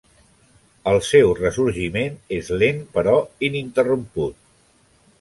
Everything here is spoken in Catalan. El seu ressorgiment és lent però ininterromput.